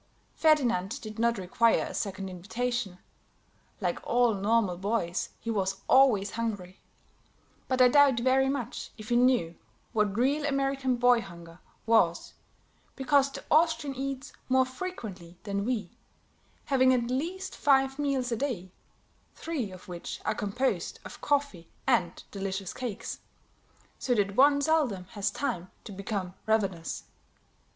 Ferdinand did not require a second invitation; like all normal boys, he was always hungry; but I doubt very much if he knew what real American boy hunger was, because the Austrian eats more frequently than we, having at least five meals a day, three of which are composed of coffee and delicious cakes, so that one seldom has time to become ravenous.